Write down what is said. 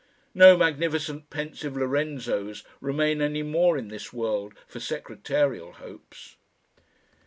No magnificent pensive Lorenzos remain any more in this world for secretarial hopes.